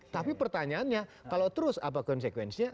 tapi pertanyaannya kalau terus apa konsekuensinya